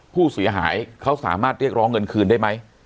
ผู้เสียหายเขาสามารถเรียกร้องเงินคืนได้ไหม